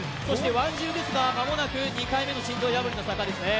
ワンジルですが間もなく２回目の心臓破りの坂ですね。